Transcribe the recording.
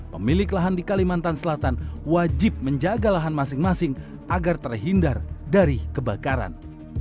pemilik lahan di kalimantan selatan wajib menjaga lahan masing masing agar terhindar dari kebakaran